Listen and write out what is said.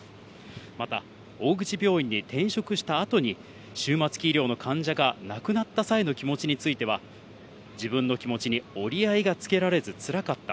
また大口病院に転職した後に、終末期医療の患者が亡くなった際の気持ちについては、自分の気持ちに折り合いがつけられず辛かった。